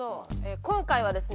今回はですね